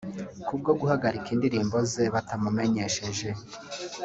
ku bwo guhagarika indirimbo ze batamumenyesheje